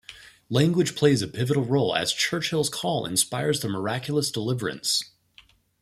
Language plays a pivotal role as Churchill's call inspires the miraculous deliverance.